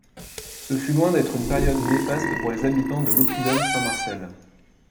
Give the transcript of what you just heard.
Ce fut loin d'être une période néfaste pour les habitants de l'oppidum Saint-Marcel.